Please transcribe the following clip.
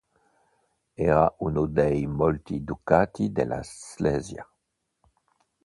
Era uno dei molti Ducati della Slesia.